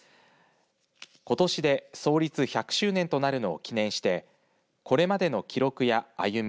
ことしで創立１００周年となるのを記念してこれまでの記録やあゆみ